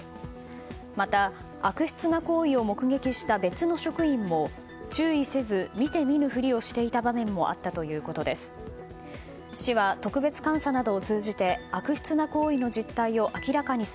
また悪質な行為を目撃した別の職員も注意せず見て見ぬふりをしていた場面もあったということです。